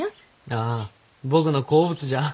ああ僕の好物じゃ。